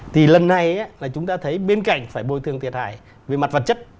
thì lần này là chúng ta thấy bên cạnh phải bồi thường thiệt hại về mặt vật chất